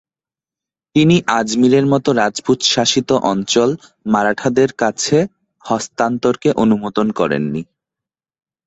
তিনি আজমিরের মত রাজপুত-শাসিত অঞ্চল মারাঠাদের কাছে হস্তান্তরকে অনুমোদন করেননি।